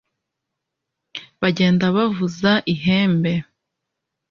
bagenda bavuza ihembe